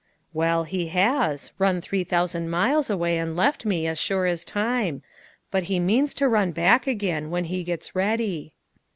"Well, he has; run three thousand miles away, and left me, as sure as time. But he means to run back again, when' he gets ready."